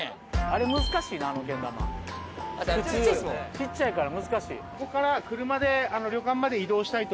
小っちゃいから難しい。